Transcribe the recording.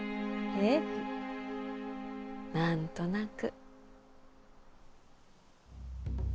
ええ何となく。